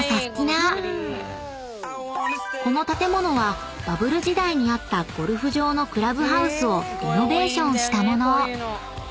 ［この建物はバブル時代にあったゴルフ場のクラブハウスをリノベーションしたもの］